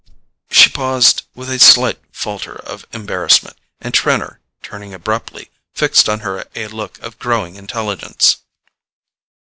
She paused with a slight falter of embarrassment, and Trenor, turning abruptly, fixed on her a look of growing intelligence.